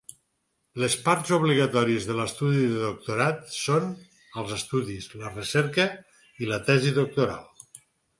Les parts obligatòries dels estudis de doctorat són els estudis, la recerca i la tesi doctoral.